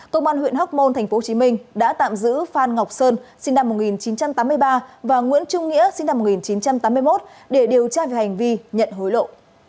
công an huyện hóc môn tp hcm đã tạm giữ phan ngọc sơn sinh năm một nghìn chín trăm tám mươi ba và nguyễn trung nghĩa sinh năm một nghìn chín trăm tám mươi một để điều tra về hành vi nhận hối lộ